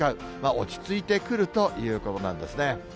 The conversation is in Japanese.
落ち着いてくるということなんですね。